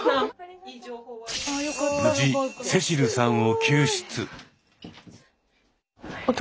無事聖秋流さんを救出。